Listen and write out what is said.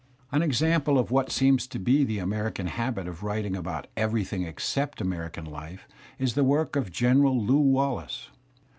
An example of what seems to be thjg^Ameriam habit of writ ;/ ing about everything except .American life, is the work of '^General Lew Wallace.